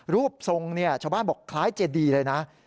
รูปทรงเนี่ยชาวบ้านบอกคล้ายเจดีเลยนะ